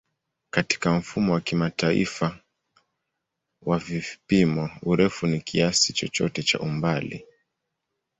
Katika Mfumo wa Kimataifa wa Vipimo, urefu ni kiasi chochote cha umbali.